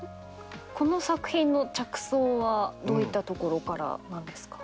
この作品の着想はどういったとこからなんですか？